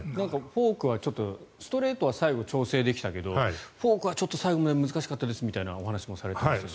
フォークはストレートは最後、調整できたけどフォークは最後まで難しかったですみたいなお話もされていました。